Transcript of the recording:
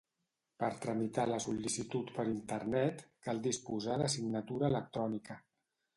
Per tramitar la sol·licitud per Internet cal disposar de signatura electrònica.